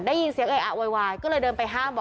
ได้ยินเสียงเออะโวยวายก็เลยเดินไปห้ามบอก